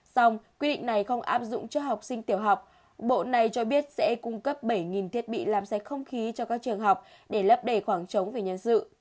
xong quy định này không áp dụng cho học sinh tiểu học bộ này cho biết sẽ cung cấp bảy thiết bị làm sạch không khí cho các trường học để lấp đầy khoảng trống về nhân sự